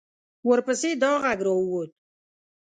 ورپسې دا غږ را ووت.